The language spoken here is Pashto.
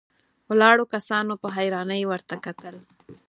ولاړو کسانو په حيرانۍ ورته وکتل.